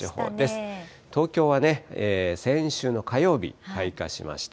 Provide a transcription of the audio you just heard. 東京は先週の火曜日、開花しました。